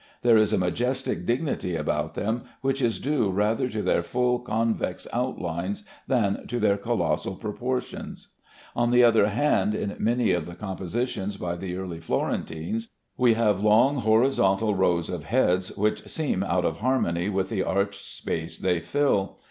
There is a majestic dignity about them which is due rather to their full convex outlines than to their colossal proportions. On the other hand, in many of the compositions by the early Florentines we have long horizontal rows of heads which seem out of harmony with the arched space they fill.